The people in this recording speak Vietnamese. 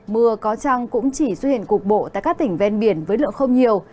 mưa có trăng cũng chỉ xuất hiện cục bộ tại các tỉnh ven biển với lượng không nhiều